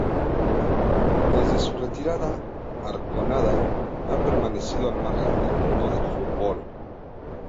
Desde su retirada, Arconada ha permanecido al margen del mundo del fútbol.